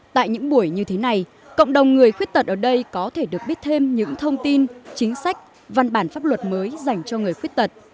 tại những buổi như thế này cộng đồng người khuyết tật ở đây có thể được biết thêm những thông tin chính sách văn bản pháp luật mới dành cho người khuyết tật